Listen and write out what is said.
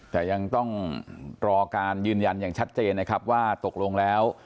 แต่ยังต้องรอการยืนยันอย่างชัดเจนนะครับว่าตกลงแล้ว